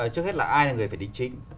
trước hết là ai là người phải đính chính